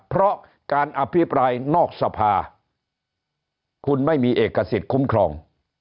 เพราะการอภิปรายนอกสภาคุณไม่มีเอกสิทธิ์คุ้มครอง